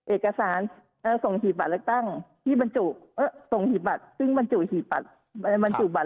เอกสารเอ่อส่งหีบบัตรเลือกตั้งที่บรรจุเอ่อส่งหีบบัตรซึ่งบรรจุหีบบัตร